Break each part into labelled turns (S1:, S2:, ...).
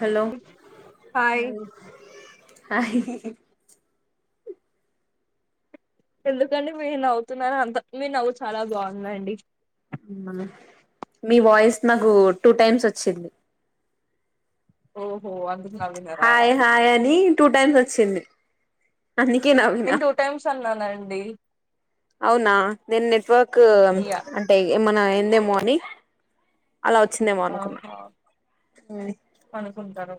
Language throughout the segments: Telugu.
S1: హలో
S2: హాయ్
S1: హాయ్
S2: ఎందుకంటే మీరు నవ్వుతున్నారు అంత మీ నవ్వు చాలా బాగుదండి
S1: మీ వాయిస్ నాకు టూ టైమ్స్ ఓచ్చింది
S2: ఓ
S1: హాయ్ హాయ్ అని టూ టైమ్స్ ఓచ్చింది
S2: నేను టూటైమ్స్ అన్నానండి
S1: అవునా నేన్ నెట్వర్కు
S2: ఇయ
S1: అంటే ఏమనా అందేమోననీ అలా ఓచ్చిందేమో అనుకున్నా
S2: ఆహా అనుకుంటాను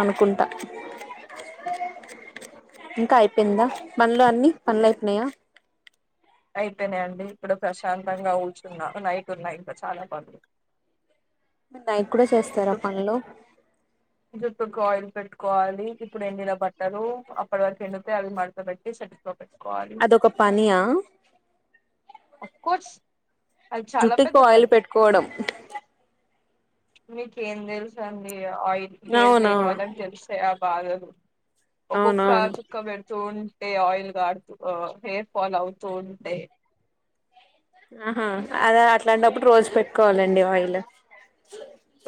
S1: అనుకుంటా ఇంకా అయిపోయిందా పనులు అన్ని పనులైపోయ్నాయా
S2: అయిపెనండి ఇప్పుడు ప్రశాంతంగా కూర్చున్నారు నైట్ ఉన్నాయి ఇంక చాలా పనులు
S1: మీరు నైట్ కూడా చేస్తారా పన్లు
S2: జుట్టుకి ఆయిల్ పెట్టుకోవాలి ఇప్పుడు ఎండిన బట్టరు అప్పట్వరకు ఎండుతే అవి మడత పెట్టి సెల్ఫ్ లో పెట్టాలి
S1: అదొక పనియా
S2: అఫ్కోర్స్
S1: జుట్టుకు ఆయిల్ పెట్టుకోవడం
S2: మీకు ఏం తెల్సుండి ఆయిల్ హెర్
S1: అవునవును
S2: లేను వాళ్ళనకి తెలిస్తే ఆ బాధలు ఒకోక్క
S1: అవునవును
S2: చుక్క పె పెడ్తూంటే ఆయిల్ కార్తుంటే హ హెయిర్ ఫాల్ అవుతూ ఉంటే
S1: ఆహా అద అట్లాంటప్పుడు రోజు పెట్టుకోవాలండి ఆయిల్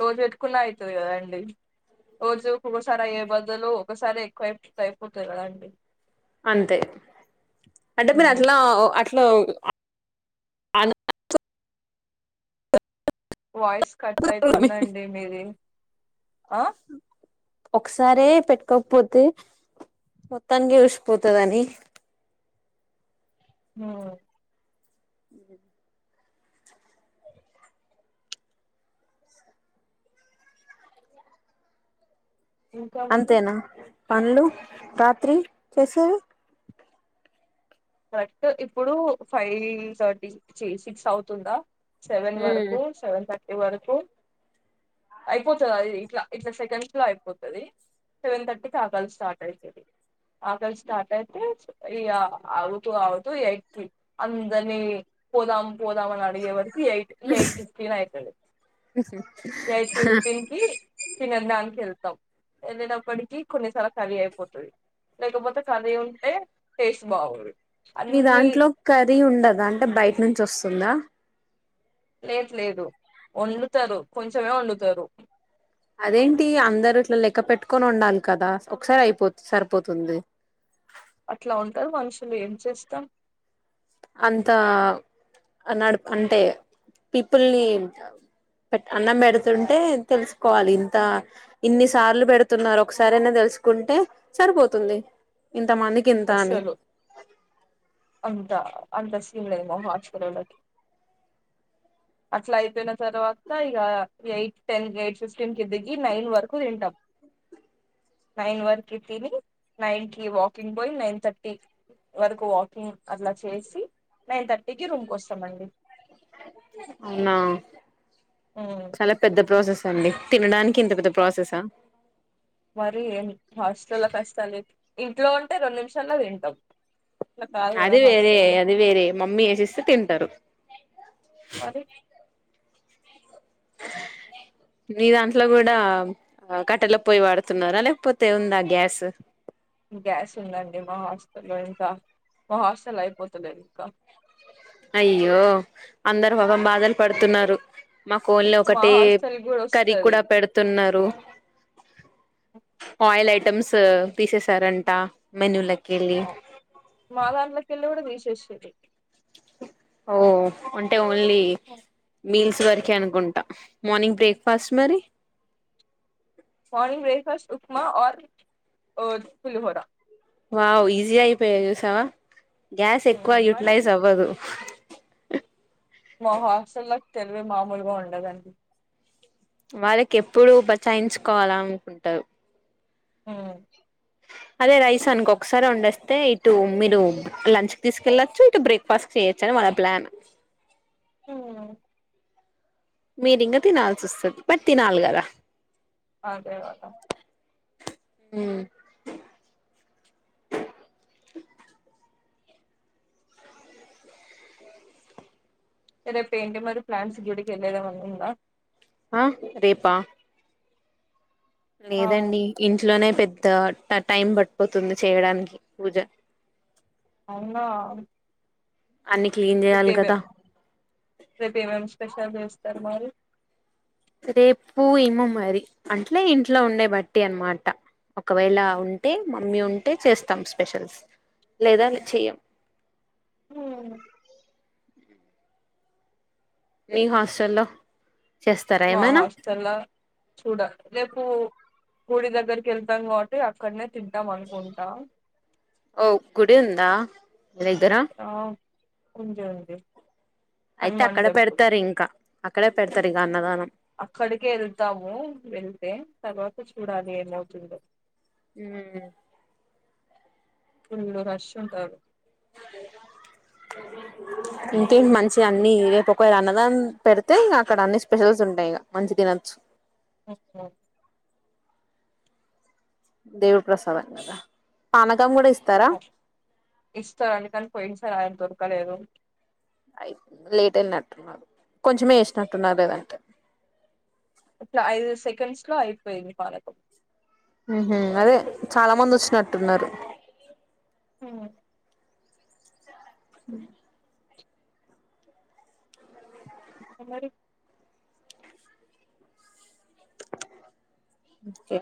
S2: రోజు వెట్టుకున్న అయ్తది కదాండి రోజు ఒకోకసారి అయ్యే బదులు ఒకసారే ఎక్కువ అయి అయిపోతాయి కదండి
S1: అంతే అంటే
S2: ఉమ్.
S1: మీరట్లా అట్లా ఇంట్లో ఆ
S2: వాయిస్ కట్ అవుతుందండి మీది
S1: ఒకసారే పెట్టుకోకపోతే మొత్తానికి ఉసిపోతదని
S2: ఉ మ్ ఇంకా మరి
S1: అంతేనా పన్లు రాత్రి చేసేవి
S2: కరెక్ట్ ఇప్పుడు ఫైవ్ థర్టీ చి సిక్స్ అవుతుందా సెవెన్ వరకు సెవెన్ థర్టీ వరకు అయిపోతది అది ఇట్లా ఇట్లా సెకండ్స్ లో అయిపోతది సెవెన్ థర్టీకి ఆకలి స్టార్ట్ అయితది ఆకలి స్టార్ట్ అయితే ఇగా ఆగుతూ ఆగుతూ ఎయిట్కి అందరిని పోదాం పోదామని అడిగే వరకు ఎయిట్కి ఎయిట్ ఫిఫ్టీన్ అయితది ఎయిట్ ఫిఫ్టీన్ కి తినదానికి వెల్ తం వెళ్ళినప్పటికీ కొన్నిసార్లు కర్రీ అయిపోతది లేకపోతే కర్రీ ఉంటే టేస్ట్ బాగోదు
S1: మీ
S2: అన్ని
S1: దాంట్లో కర్రీ ఉండదా అంటే బయట నుంచి వస్తుందా
S2: లేదు లేదు వండుతరు కొంచమే వండుతరు
S1: అదేంటి అందరు ఇట్లా లెక్క పెట్టుకొని వొండాలి కదా ఒకసారి అయిపో సరిపోతుంది
S2: అట్లా ఉంటరు మనుషులు ఏం చేస్తాం
S1: అంత నడప్ అంటే పీపుల్ని పె అన్నం పెడుతుంటే తెలుసుకోవాలి ఇంత ఇన్ని సార్లు పెడుతున్నారు ఒకసరైన తెల్ స్కుంటే సరిపోతుంది ఇంతమందికి ఇంత అని
S2: అస్సలు అంత అంత సీన్లేదు మా హాస్టలోలకి అట్లా అయిపోయిన తర్వాత ఇగ ఎయిట్ టెన్ ఎయిట్ ఫిఫ్టీన్ కి దిగి నైన్ వరకు తింటాం నైన్ వర్కి తిని నైన్ కి వాకింగ్ బోయ్ నైన్ థర్టీ వరకు వాకింగ్ అట్లా చేసి నైన్ థర్టీకిి రూమ్కొస్తం అండి
S1: అవునా చాలా
S2: ఉమ్.
S1: పెద్ద ప్రాసెస్ అండి తినడా
S2: మరి ఏం హాస్టల్ల కష్టాలు ఇంట్లో ఉంటే రెండు నిమిషాల్లో తింటాం ఇట్లా కాదు కదా
S1: అది వేరే
S2: హాస్టల్లో
S1: అది వేరే మమ్మీ ఎసిస్తే తింటారు
S2: అది
S1: మీ దాంట్లో కూడా కట్టెల పొయి వాడుతున్నారా లేకపోతే ఉందా గ్యాస్
S2: గ్యాస్ ఉందండి మా హాస్టల్లో ఇంకా మా హాస్టళ్ల అయిపోతలేదు ఇంకా
S1: అయ్యో అందరు పాపం బాధలు పడుతున్నారు మాక్ ఓన్లీ
S2: మా
S1: ఒకటి
S2: హాస్టల్ కూడా
S1: కర్రీ
S2: వస్తది
S1: కూడా పెడుతున్నారు ఆయిల్ ఐటమ్స్ తీసేసారంట మెన్యూ లె
S2: ఓ మాదాంట్లకెళ్ళి కూడా తీశేశిరు
S1: ఓ అంటే ఓన్లీ మీల్స్ ట్ వరకే అనుకుంటా మార్నింగ్ బ్రేక్ఫాస్ట్ మరి
S2: మార్నింగ్ బ్రేక్ఫాస్ట్ ఉప్మా ఆర్ ఒ పులిహోర
S1: వావ్ ఈజీ అయిపోయా చూసావా గ్యాస్ ఎక్కువ
S2: మరి
S1: యూటిలైజ్ అవ్వదు
S2: మా హాస్టళ్లకి తెలివి మామూలుగా ఉండదండి
S1: వాళ్ళకి ఎప్పుడు బచాయించుకోవాల అనుకుంటారు
S2: ఉ
S1: అదే రైస్ అనుకో ఒకసారి వొండేస్తే ఇటు మీరు లంచ్ కి తీసుకెళ్ళచ్చు అటు బ్రేక్ఫాస్ట్ చేయచ్చని వాళ్ళ ప్లాన్
S2: ఉ
S1: మీరింగా తినాల్సి వస్తది బట్ తినాలి కదా
S2: అదే కదా
S1: ఉమ్
S2: రేపు ఏంటి మరి ప్లాన్స్ గుడికి వెళ్ళేది ఏమన్న ఉందా
S1: ఆ రేపా
S2: ఆ
S1: లేదండి ఇంట్లోనే పెద్ పెద్ద ట టైం పడిపోతుంది చేయడానికి పూజ
S2: అవునా
S1: అన్ని క్లీన్ చేయాలి
S2: రేపువే
S1: కదా
S2: రేపు ఏమేమే స్పెషల్ చేస్తారు మరి
S1: రేపు ఏమో మరి అంటలే ఇంట్లో ఉండే బట్టి అనమాట ఒకవేళ ఉంటే మమ్మీ ఉంటే చేస్తాం స్పెషల్స్ లేదా చెయ్యం
S2: ఉమ్.
S1: ని హాస్టల్ లో
S2: మా హాస్టల్లో చూడాల రేపు గుడి దగ్గరికి వెళ్తాను కాబట్టి అక్కడనే తింటాం అనుకుంటా
S1: ఓ గుడి ఉందా మీ దెగర
S2: ఆ ఉంది ఉంది
S1: అయితే
S2: హనుమాన్
S1: అక్కడే
S2: టెంపుల్
S1: పెడతారు
S2: ఉంది
S1: ఇంకా అక్కడే పెడతారు ఇగ అన్నదానం
S2: అక్కడికే వెళ్తాము వెళ్తే తర్వాత చూడాలి ఏమవుతుందో
S1: ఉమ్
S2: ఫుల్ రష్ ఉంటారు
S1: ఇంకేంటి మంచి అన్ని రేపు ఒకవేళ అన్నదాన్ని పెడితే ఇంక అక్కడ అన్ని స్పెషల్స్ ఉంటాయి ఇక మంచి తిన చు
S2: ఓహో.
S1: దేవుడు ప్రసాదం కదా పానకం కూడా ఇస్త
S2: ఇస్తారు అందుకని పోయిన సార్ ఆయన దొరకలేదు
S1: అయితే లేట్ అయినట్టున్నారు కొంచమే వేసినట్టున్నారు లేదంటే
S2: ఇట్లా ఐదు సెకండ్స్ లో అయిపోయింది పానకం
S1: ఉమ్ అదే చాలా మంది వచ్చినట్టున్నారు
S2: ఉమ్మ్
S1: మ్
S2: ఇంకా మరి
S1: ఓకే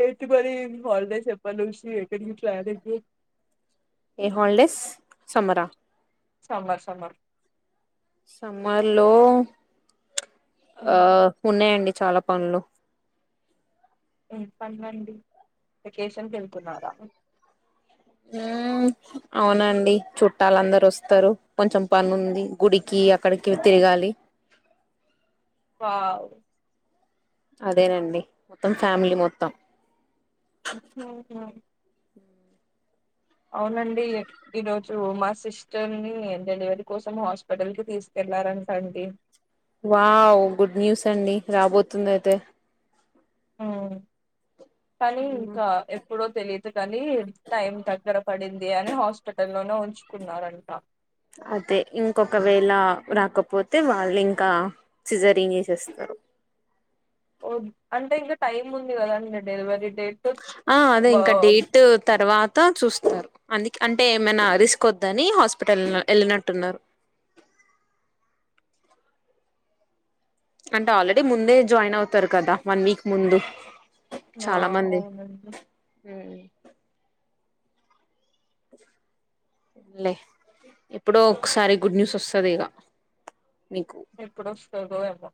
S2: ఏంటి మరి హాలిడేస్ ఎప్పటినుంచి ఎక్కడికి ప్లానింగ్
S1: ఎ హోల్డెస్ సమ్మరా
S2: సమ్మర్ సమ్మర్
S1: సమ్మర్ లో ఆ
S2: హ్మ్.
S1: ఉన్నాయండి చాలా పనులు
S2: ఎమ్ పన్నండి వెకేషన్ కి వెళ్తున్నారా
S1: ఉమ్ అవునండి చుట్టాలు అందరు వస్తారు కొంచెం పని ఉంది గుడికి అక్కడికి తిరగాలి
S2: వావ్
S1: అదేనండి మొత్తం ఫ్యామి మొత్తం
S2: అవునా అవునండి ఈరోజు మా సిస్టర్ ని డెలివరీ కోసం హాస్పిటల్ కి తీసుకె వెళ్లారు అంట అండి
S1: వావ్ గుడ్ న్యూస్ అండి రాబోతుంది అయితే
S2: కానీ ఇంకా ఎప్పుడో తెలియదు కానీ టైం దగ్గర పడింది అని హాస్పిట లోనే ఉంచుకున్నారంట
S1: అతే ఇంకొకవేళ రాకపోతే వాళ్ళు ఇంకా సిజరింగ్ చేసేస్తారు
S2: ఓ అంటే ఇంకా టైం ఉంది కదండి డెలివరీకి
S1: ఆ అదే ఇంకా డేట్ తరువాత చూస్తారు అందికే అంటే ఏమైనా రిస్కోద్దని హాస్పిటల్ ఎళ్ళినట్టున్నరు అంటే ఆల్రెడీ ముందే జాయిన్ అవుతారు కదా వన్ వీక్ ముందు
S2: ఆ
S1: చాలా మంది
S2: అవునండి
S1: లే ఎప్పుడో ఒకసారి గుడ్ న్యూస్ వస్తదిగ
S2: ఎప్పుడోస్తదో ఏమో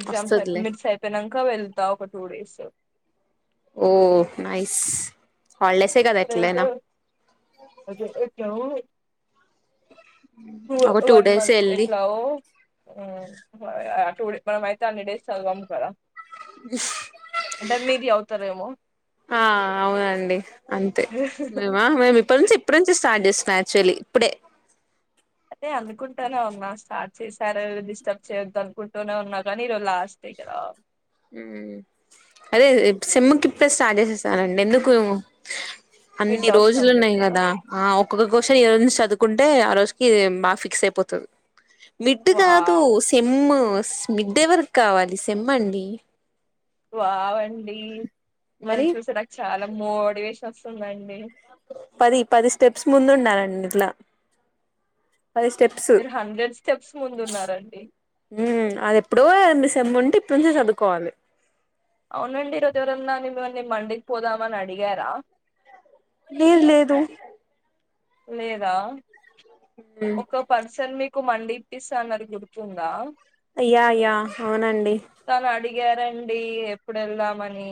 S2: ఎగ్జామ్స్
S1: వస్తదిలే
S2: మిడ్స్ అయిపోయినంక వెళ్తా ఒక టూ డేస్
S1: ఓ నైస్ హాలిడేసే కద
S2: ఇప్పుడు వెళ్తే
S1: ఎట్లైనా ఒక
S2: అ
S1: టూ
S2: వన్
S1: డేస్
S2: మంత్
S1: వెళ్ళి
S2: ఎట్లాగో మేమైతే అన్ని డేస్ చదవం కదా అంటే మీరు చదువుతారేమో
S1: ఆ అవునండి అంతే మేమ మేమిప్పటినుంచే ఇప్పునుంచే స్టార్ట్ చేస్తున్న అక్చుఅల్లీ ఇప్పుడే
S2: అదే అనుకుంటానే ఉన్నా స్టార్ట్ చేసారు డిస్టర్బ్ చేయొద్దు అనుకుంటూనే ఉన్నా కానీ లాస్ట్ డే కదా
S1: అదే సెమ్ముకిప్పుడే స్టార్ట్ చేసేస్తానండి ఎందుకూ అన్ని
S2: విడ్ అవసరం లేదు
S1: రోజులున్నాయి కదా ఆ ఒక్కొక్క క్యూషన్ ఈరోజునుంచి చదువు కుంటే ఆ రోజుకి బాగా ఫిక్స్ అయిపోతది మిడ్ కాదు
S2: వావ్
S1: సిమ్ మిడేవరికి కావాలి సేమ్మండి
S2: వావ్ అండి మిమ్మల్ని
S1: మరి
S2: చూస్తే చాలా మోటివేషన్ వస్తుందండి
S1: పది పది స్టెప్స్ ముందు ఉండాలండిట్లా పది స్టెప్స్
S2: మీరు హండ్రెడ్ స్టెప్స్ ముందున్నారండి
S1: అది ఎప్పుడో మ్ముంటే ఇప్పుడ్నుంచే చదువుకోవాలి
S2: అవునండి ఈరోజు ఎవరన్నా మిమ్మల్ని మండికి పోదామ అని అడిగారా
S1: లేదు లేదు
S2: లేదా ఒక పర్సన్ మీకు మీకు మండిప్పిస్తాన్నది గుర్తుందా
S1: యః యః అవునండి
S2: తను అడిగారండి ఎప్పుడెళ్దామని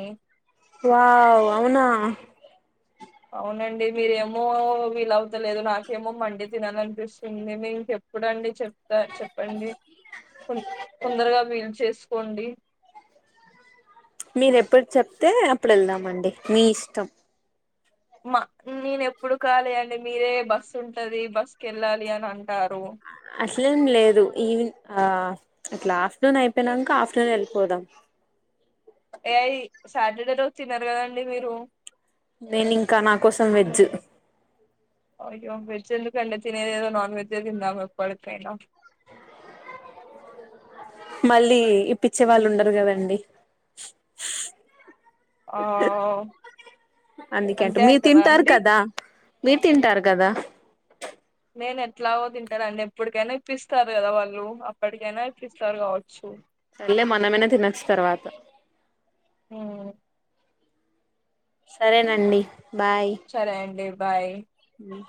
S1: వావ్ అవునా
S2: అవునండి మీరేమో వీలవతలేదు నాకేమో మండి తినాలనిపిస్తుంది మీక్ చెప్ ఎప్పుడండి చెప్తా చెప్పండి తొందరగా వీలు చేసుకోండి
S1: మీరు ఎప్పుడు చెప్తే అప్పుడు వెళ్దామండి మీ ఇష్టం
S2: మా నేనెప్పుడు కాలి అండి మీరే బస్ ఉంటది బస్కెల్లాలి అని అంటారు
S1: అట్లెంలేదు ఈవిన్ ఆ అట్లా ఆఫ్టర్నూన్ అయిపోయినాక ఆఫ్టర్నూన్ వెళ్ళిపోదాం
S2: ఏఐ సాటర్డే రోజు తినరు కదండి మీరు
S1: నేను ఇంకా నా కోసం వెజ్
S2: అయ్యో వెజెందుకండి తినేదేదో నాన్వెజ్ ఎ తిందా ఎప్పుడికైన
S1: మళ్ళీ ఇప్పించే వాళ్లుండరు కదండి
S2: ఆ
S1: అందుకే అంట
S2: అంతే
S1: మీరు
S2: అంటారా
S1: తింటారు
S2: అండి
S1: కదా మీరు తింటారు కదా
S2: నేను ఎట్లాగో తింటానండి ఎప్పటికైనా ఇప్పిస్తారు కదా వాళ్ళు అప్పటికైనా ఇప్పిస్తారు కావచ్చు
S1: సర్లే మనమైనా తినొచ్చు తర్వాత
S2: ఉమ్
S1: సరేనండి
S2: సరే అండి బాయ్
S1: ఉమ్